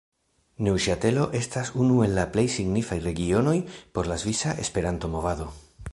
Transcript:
Neŭŝatelo estas unu el la plej signifaj regionoj por la svisa Esperanto-movado.